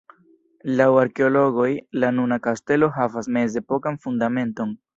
Laŭ arkeologoj la nuna kastelo havas mezepokan fundamenton.